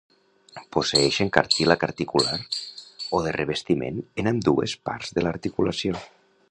Posseeixen cartílag articular o de revestiment en ambdues parts de l'articulació.